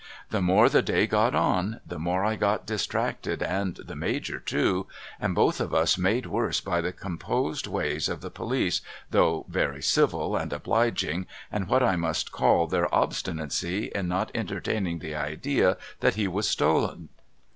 The more the day got on, the more I got distracted and the Major too and both of us made worse by the composed ways of the police though very civil and obliging and what I must call their obstinacy in not entertaining the idea that he was stolen.